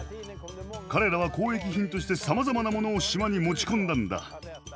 彼らは交易品としてさまざまなものを島に持ち込んだんだ。